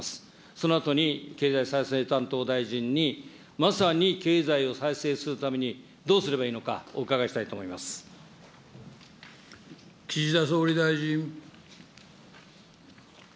そのあとに、経済再生担当大臣に、まさに経済を再生するためにどうすればいいのか、お伺いしたいと岸田総理大臣。